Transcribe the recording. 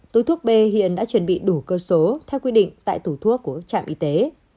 túi thuốc b hiện đã chuẩn bị đủ cơ số theo quy định tại tủ thuốc của các trạm y tế